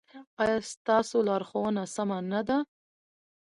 ایا ستاسو لارښوونه سمه نه ده؟